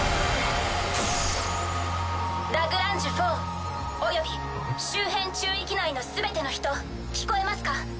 ラグランジュ４および周辺宙域内の全ての人聞こえますか？